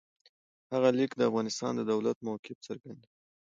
هغه لیک د افغانستان د دولت موقف څرګندوي.